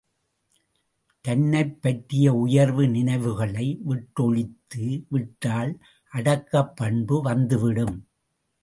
தன்னைப் பற்றிய உயர்வு நினைவுகளை விட்டொழித்து விட்டால் அடக்கப்பண்பு வந்து விடும்.